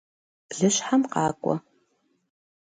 Блыщхьэм къакӏуэ!